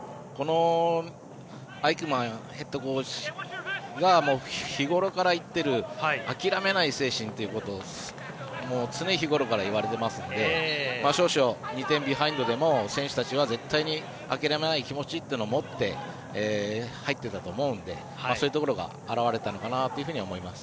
アイクマンヘッドコーチが日頃から言っている諦めない精神というのを常日頃から言われていますので少々、２点ビハインドでも選手たちは絶対に諦めない気持ちを持って入っていたと思うのでそういうところが表れたのかなと思います。